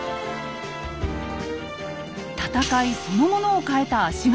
戦いそのものを変えた足軽たち。